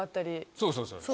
そうそうそうそう。